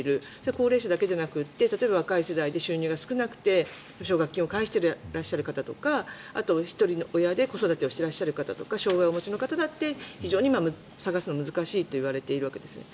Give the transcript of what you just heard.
高齢者だけじゃなくて例えば若い世代で収入が少なくて、奨学金を返していらっしゃる方とかあとは１人親で子育てをしていらっしゃる方とか障害を持つ方だって探すのが難しいといわれているんですね。